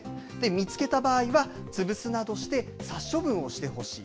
見つけた場合は、潰すなどして、殺処分をしてほしい。